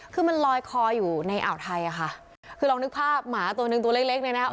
คือมันลอยคออยู่ในอ่าวไทยอะค่ะคือลองนึกภาพหมาตัวนึงตัวเล็กเล็กเนี่ยนะคะ